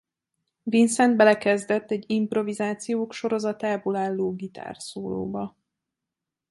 Vincent belekezdett egy improvizációk sorozatából álló gitárszólóba.